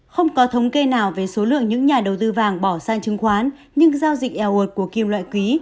không có thống kê nào về số lượng những nhà đầu tư vàng bỏ sang chứng khoán nhưng giao dịch eos của kim loại quý